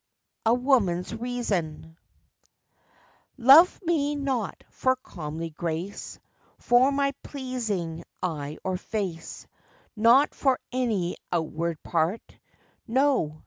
A WOMAN'S REASON. Love me not for comely grace, For my pleasing eye or face, Nor for any outward part; No!